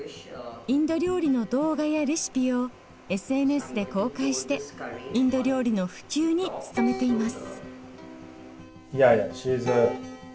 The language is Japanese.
インド料理の動画やレシピをＳＮＳで公開してインド料理の普及に努めています。